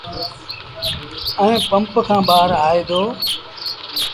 ائيٚݩ پمپ کآݩ ٻآهر آئي دو۔